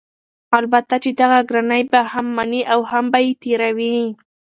البته چې دغه ګرانی به هم مني او هم به یې تېروي؛